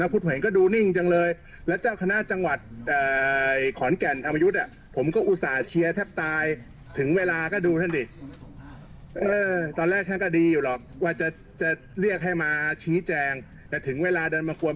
เพราะว่ามันชัดเจนมากขึ้นเลย